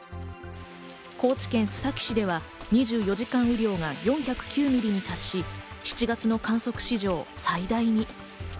高知県須崎市では２４時間雨量が４０９ミリに達し、７月の観測史上最大に。